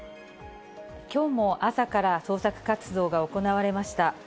きょうも朝から捜索活動が行われました。